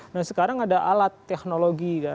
nah sekarang ada alat teknologi